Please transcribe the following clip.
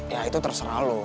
ya itu terserah lu